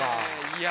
いや。